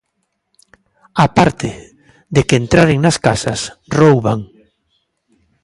Á parte de que entraren nas casas, rouban.